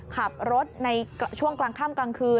ขับรถในช่วงกลางค่ำกลางคืน